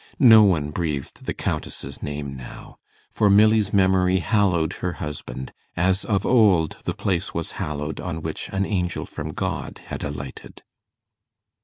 No one breathed the Countess's name now; for Milly's memory hallowed her husband, as of old the place was hallowed on which an angel from God had alighted.